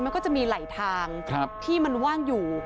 มันก็จะมีไหลทางที่มันว่างอยู่